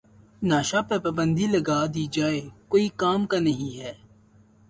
NASA پر پابندی لگا دی جاۓ کوئی کام کا نہیں ہے